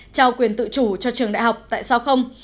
trao quyền tự chủ cho trường đại học tại sao không